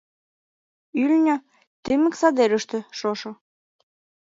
Ӱлнӧ, тымык садерыште, шошо.